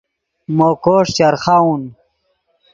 مو کوݰ چرخاؤن